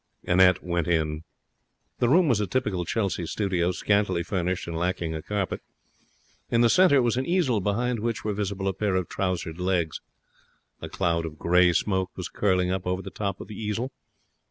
Annette went in. The room was a typical Chelsea studio, scantily furnished and lacking a carpet. In the centre was an easel, behind which were visible a pair of trousered legs. A cloud of grey smoke was curling up over the top of the easel.